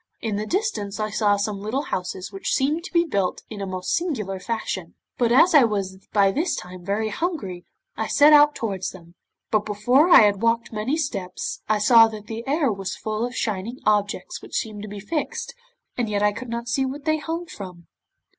In the distance I saw some little houses which seemed to be built in a most singular fashion, but as I was by this time very hungry I set out towards them, but before I had walked many steps, I saw that the air was full of shining objects which seemed to be fixed, and yet I could not see what they hung from.